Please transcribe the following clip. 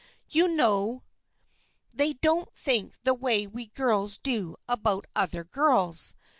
You know they don't think the way we girls do about other girls.